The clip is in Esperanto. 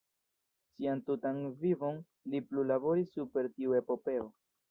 Sian tutan vivon li plu laboris super tiu epopeo.